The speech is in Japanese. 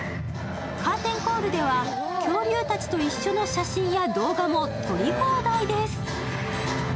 カーテンコールでは恐竜たちと一緒の写真や動画も撮り放題です。